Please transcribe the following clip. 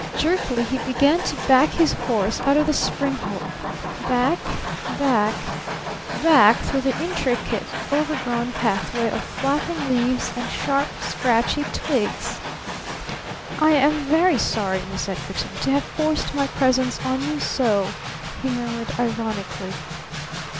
Jerkily he began to back his horse out of the spring hole, back back back through the intricate, overgrown pathway of flapping leaves and sharp, scratchy twigs. "I am very sorry, Miss Edgarton, to have forced my presence on you so!" he murmured ironically.